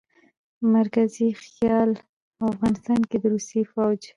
مرکزي خيال او افغانستان کښې د روسي فوج